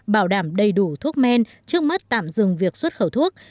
bảo đảm đầy đủ thuốc men trước mắt tạm dừng việc xuất khẩu thuốc